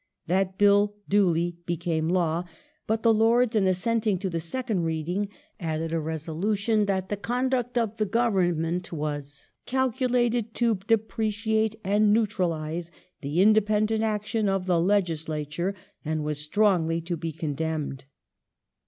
That Bill duly became law, but the Lords in assenting to the second Reading added a resolution that the conduct of the Govern ment was "calculated to depreciate and neutralize the independent action of the Legislature, and was strongly to be condemned